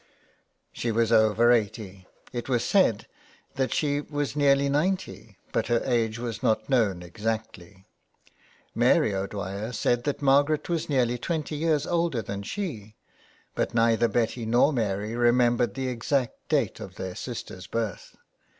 She was over eighty, it was said that she was nearly ninety, but her age was not known exactly. Mary O'Dwyer said that Margaret was nearly twenty years 244 THE WEDDING GOWN. older than she, but neither Betty nor Mary remem bered the exact date of their sister's birth.